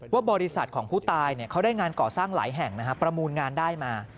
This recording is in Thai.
ว่าบริษัทของผู้ตายเนี่ยเขาได้งานก่อสร้างหลายแห่งนะครับประมูลงานได้มา